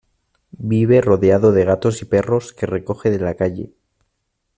Vive rodeado de gatos y perros que recoge de la calle.